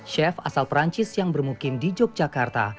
chef asal perancis yang bermukim di yogyakarta